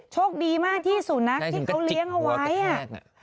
โชคดีมากที่สุนัขที่เขาเลี้ยงเอาไว้ใช่ถึงกระจิกหัวกระแทกน่ะ